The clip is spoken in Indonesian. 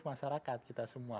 unsur masyarakat kita semua